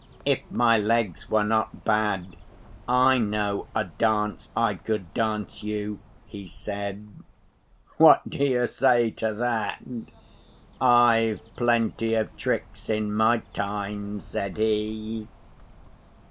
'If my legs were not bad I know a dance I could dance you,' he said. What do you say to that? 'I've plenty of tricks in my time,' said he.